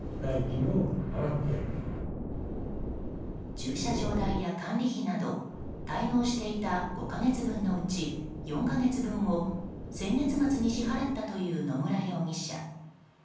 駐車場代や管理費など滞納していた５か月分のうち４か月分を先月末に支払ったという野村容疑者。